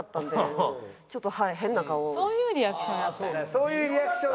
そういうリアクション。